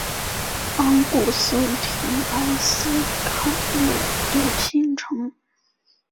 昂古斯廷埃斯卡勒德新城。